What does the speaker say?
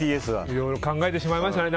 いろいろ考えてしまいますよね。